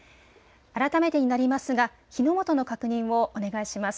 改めてになりますが火の元の確認をお願いします。